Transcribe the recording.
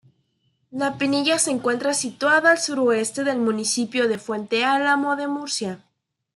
La Pinilla se encuentra situada al suroeste del municipio de Fuente Álamo de Murcia.